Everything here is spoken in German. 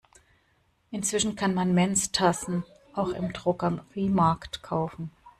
Inzwischen kann man Menstassen auch im Drogeriemarkt kaufen.